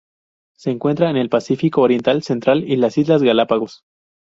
Se encuentra en el Pacífico oriental central y las Islas Galápagos.